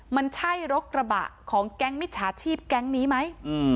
มันใช่รถกระบะของแก๊งมิจฉาชีพแก๊งนี้ไหม